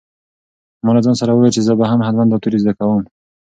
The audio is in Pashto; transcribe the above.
ما له ځان سره وویل چې زه به هم حتماً دا توري زده کوم.